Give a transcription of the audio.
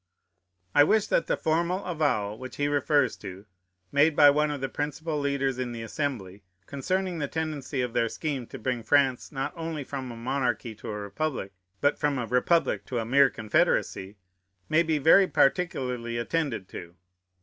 I wish that the formal avowal which he refers to, made by one of the principal leaders in the Assembly, concerning the tendency of their scheme to bring France not only from a monarchy to a republic, but from a republic to a mere confederacy, may be very particularly attended to.